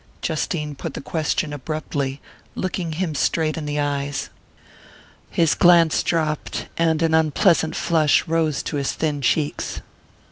Justine put the question abruptly, looking him straight in the eyes. His glance dropped, and an unpleasant flush rose to his thin cheeks.